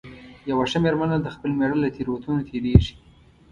یوه ښه مېرمنه د خپل مېړه له تېروتنو تېرېږي.